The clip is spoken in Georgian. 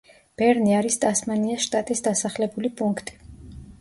ბერნი არის ტასმანიას შტატის დასახლებული პუნქტი.